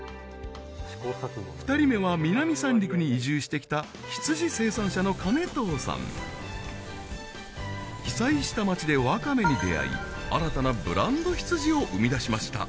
２人目は南三陸に移住して来た被災した町でワカメに出合い新たなブランド羊を生み出しました